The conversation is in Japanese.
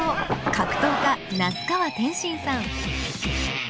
格闘家那須川天心さん